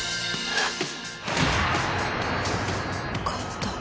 あっ。